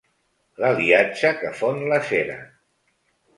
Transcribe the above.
L'aliatge que fon la cera.